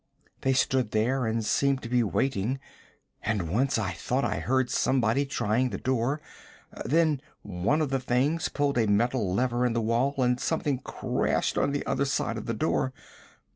They stood there and seemed to be waiting, and once I thought I heard somebody trying the door. Then one of the things pulled a metal lever in the wall, and something crashed on the other side of the door.